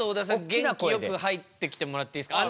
げんきよく入ってきてもらっていいですか？